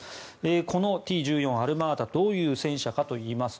このＴ１４アルマータどういう戦車かといいますと